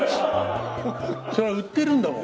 そりゃ売ってるんだもん。